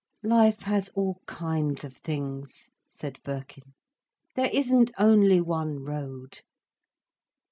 "Life has all kinds of things," said Birkin. "There isn't only one road."